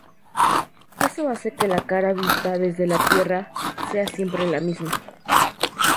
Eso hace que la cara vista desde la Tierra sea siempre la misma.